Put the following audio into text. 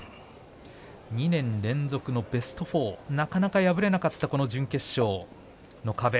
２年連続のベスト４なかなか破れなかった準決勝の壁。